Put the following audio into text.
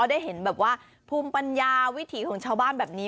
ได้เห็นแบบว่าภูมิปัญญาวิถีของชาวบ้านแบบนี้